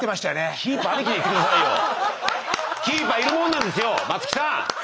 キーパーいるもんなんですよ松木さん！